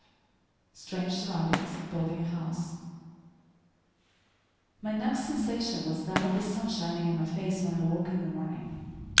* *Strange Surroundings; Building a House.* My next sensation was that of the sun shining in my face when I awoke in the morning.